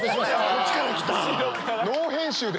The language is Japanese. そっちから来た！